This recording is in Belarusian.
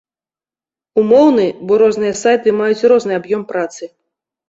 Умоўны, бо розныя сайты маюць розны аб'ём працы.